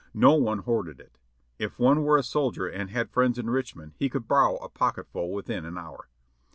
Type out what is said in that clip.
No one hoarded it. If one were a soldier and had friends in Richmond he could borrow a pocketful within an hour.